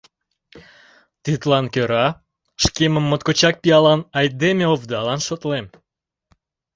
Тидлан кӧра шкемым моткочак пиалан айдеме-овдалан шотлем.